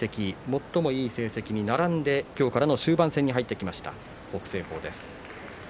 最もいい成績に並んで今日からの終盤戦に入ってきました、北青鵬です。